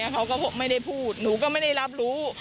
เขาก็ไม่ได้พูดหนูก็ไม่ได้รับรู้